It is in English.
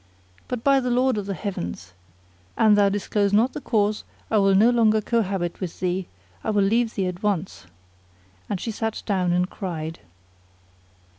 But by the Lord of the Heavens! an thou disclose not the cause I will no longer cohabit with thee: I will leave thee at once." And she sat down and cried.